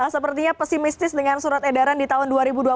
sepertinya pesimistis dengan surat edaran di tahun dua ribu dua puluh